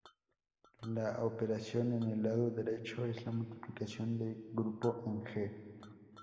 La operación en el lado derecho es la multiplicación de grupo en "G".